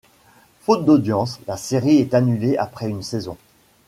Faute d'audience, la série est annulée après une saison.